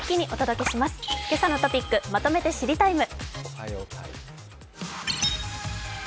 「けさのトピックまとめて知りＴＩＭＥ，」。